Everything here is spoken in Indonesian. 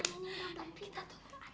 udah mampan dia pinter kali ini